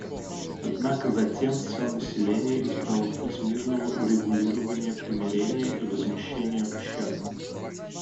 Однако затем все население избрало путь мирного урегулирования, примирения и возмещения ущерба.